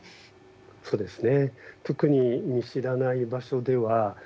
そうですね。